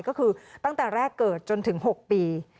ก็คือตั้งแต่แรกเกิดจนถึง๖ปี